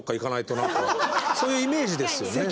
そういうイメージですよね。